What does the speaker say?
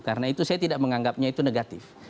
karena itu saya tidak menganggapnya itu negatif